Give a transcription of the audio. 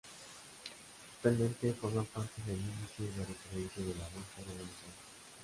Actualmente, forma parte del índice de referencia de la Bolsa de Buenos Aires.